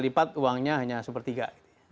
lipat uangnya hanya sepertiga